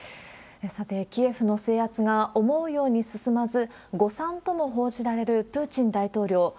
さて、キエフの制圧が思うように進まず、誤算とも報じられるプーチン大統領。